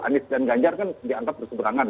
anies dan ganjar kan dianggap berseberangan